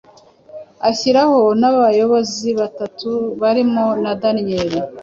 ashyiraho n’abayobozi batatu; barimo na Daniyeli